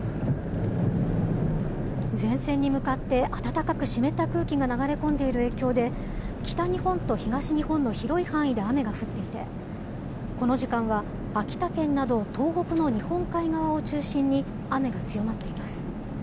前線に向かって暖かく湿った空気が流れ込んでいる影響で、北日本と東日本の広い範囲で雨が降っていて、この時間は、秋田県など東北の日本海側を中心に雨が強まっています。